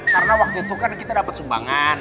karena waktu itu kan kita dapet sumbangan